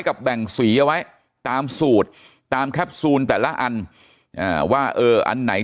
แบ่งสีเอาไว้ตามสูตรตามแคปซูลแต่ละอันว่าเอออันไหน